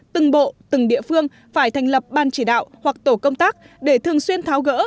từng bộ từng địa phương phải thành lập ban chỉ đạo hoặc tổ công tác để thường xuyên tháo gỡ